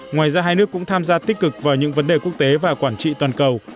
ngoài ra hai nước cũng tham gia tích cực vào những vấn đề quốc tế và quản trị toàn cầu